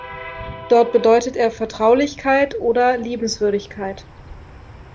Dort bedeutet er „Vertraulichkeit“ oder „Liebenswürdigkeit“.